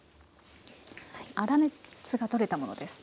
粗熱が取れたものです。